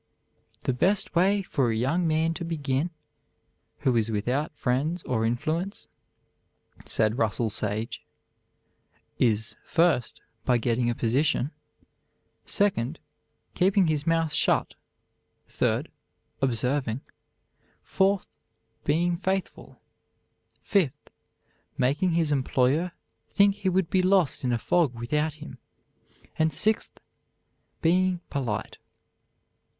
"The best way for a young man to begin, who is without friends or influence," said Russell Sage, "is, first, by getting a position; second, keeping his mouth shut; third, observing; fourth, being faithful; fifth, making his employer think he would be lost in a fog without him; and sixth, being polite."